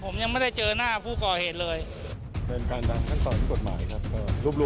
ผมยังไม่ได้เจอหน้ากับผู้ก่อเหตุเลย